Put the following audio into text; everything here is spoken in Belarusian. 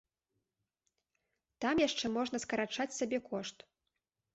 Там яшчэ можна скарачаць сабекошт.